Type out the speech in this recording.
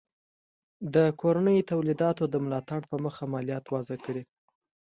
د کورنیو تولیداتو د ملاتړ په موخه مالیات وضع کړي.